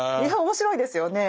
面白いですよね。